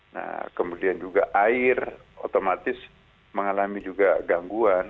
nah kemudian juga air otomatis mengalami juga gangguan